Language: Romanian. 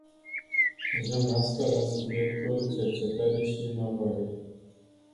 Ajung astfel la subiectul cercetării și inovării.